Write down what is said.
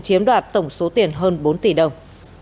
chiếm đoạt tổng số tiền hơn bốn tỷ đồng